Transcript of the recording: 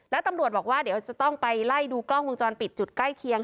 แล้วตำรวจบอกว่าเดี๋ยวจะต้องไปไล่ดูกล้องวงจรปิดจุดใกล้เคียง